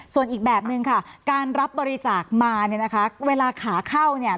ส่วนอีกแบบนึงค่ะการรับบริจาคมาเนี่ยนะคะเวลาขาเข้าเนี่ย